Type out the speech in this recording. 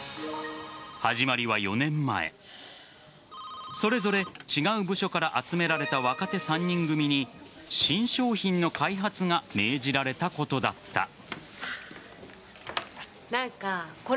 始まりは４年前それぞれ違う部署から集められた若手３人組に新商品の開発が命じられたことだった。